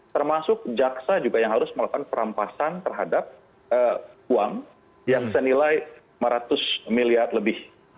termasuk jaksa juga yang harus melakukan perampasan terhadap uang yang senilai lima ratus miliar lebih